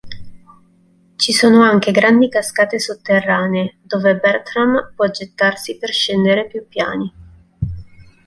Ci sono anche grandi cascate sotterranee dove Bertram può gettarsi per scendere più piani.